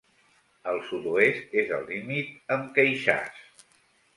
Al sud-oest és el límit amb Queixàs.